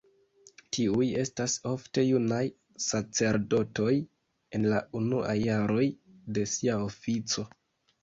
Tiuj estas ofte junaj sacerdotoj en la unuaj jaroj de sia ofico.